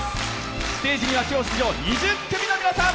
ステージには今日、出場２０組の皆さん。